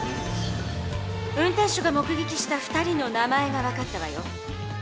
運転手が目げきした２人の名前が分かったわよ。